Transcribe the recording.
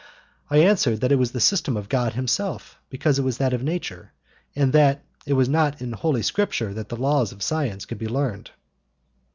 I answered that it was the system of God Himself because it was that of nature, and that it was not in Holy Scripture that the laws of science could be learned.